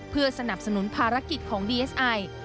เพื่อสนับสนุนภารกิจของดีเอสไอ